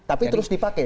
tapi terus dipakai